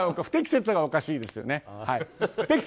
不適切がおかしいですよね。